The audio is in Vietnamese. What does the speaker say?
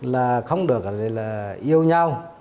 là không được yêu nhau